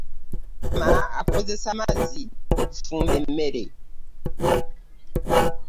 Maama akozesa amazzi okufumba emmere.